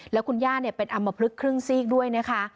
แล้วคุณย่าเป็นอำมพลึกครึ่งซีกด้วยนะคะ